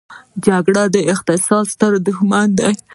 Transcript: جګړه د اقتصاد ستر دښمن دی.